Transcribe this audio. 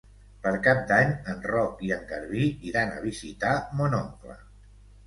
Per Cap d'Any en Roc i en Garbí iran a visitar mon oncle.